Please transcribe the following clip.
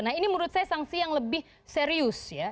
nah ini menurut saya sanksi yang lebih serius ya